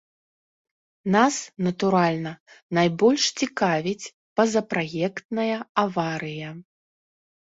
Нас, натуральна, найбольш цікавіць пазапраектная аварыя.